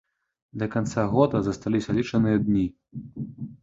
Да канца года засталіся лічаныя дні.